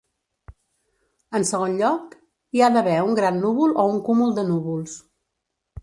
En segon lloc, hi ha d'haver un gran núvol o un cúmul de núvols.